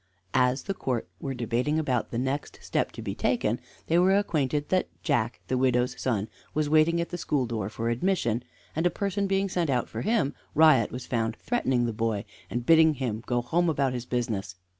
As the court were debating about the next step to be taken they were acquainted that Jack, the widow's son, was waiting at the school door for admission; and a person being sent out for him, Riot was found threatening the boy, and bidding him go home about his business.